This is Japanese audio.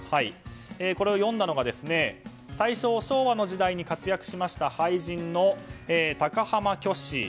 これを詠んだのが大正・昭和の時代に活躍した俳人の高浜虚子。